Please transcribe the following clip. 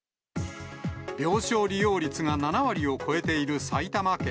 病床利用率が７割を超えている埼玉県。